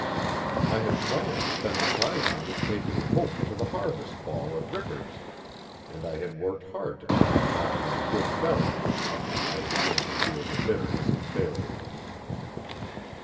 I had planned to spend the prize money taking Hope to the harvest ball at Rickard's, and I had worked hard to put the Hawk in good fettle. I began to feel the bitterness of failure.